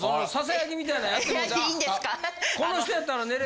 この人やったら寝れる。